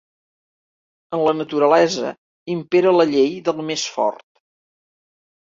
En la naturalesa impera la llei del més fort.